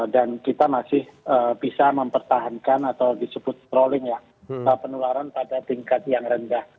dan kita masih bisa mempertahankan atau disebut strolling ya penularan pada tingkat yang rendah